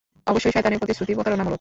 অবশ্যই শয়তানের প্রতিশ্রুতি প্রতারণামূলক।